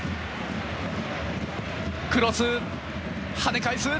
クロス跳ね返す。